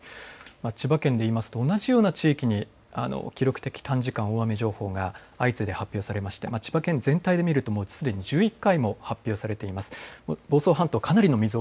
千葉県、同じような地域に記録的短時間大雨情報が各地で発表されまして千葉県全体で見ると１１回も発表されています。